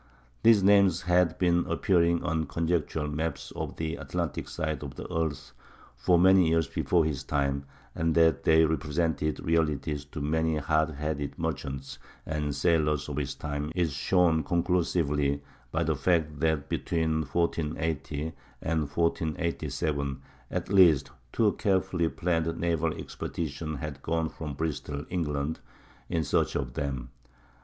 These names had been appearing on conjectural maps of the Atlantic side of the earth for many years before his time; and that they represented realities to many hard headed merchants and sailors of his time is shown conclusively by the fact that between 1480 and 1487 at least two carefully planned naval expeditions had gone from Bristol, England, in search of them.